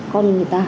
con người ta